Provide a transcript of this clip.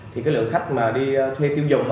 thì cái lượng khách mà đi thuê tiêu dùng